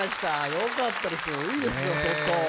よかったですね、いいですよ、外。